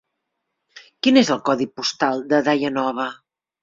Quin és el codi postal de Daia Nova?